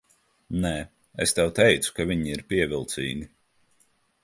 Nē, es tev teicu, ka viņa ir pievilcīga.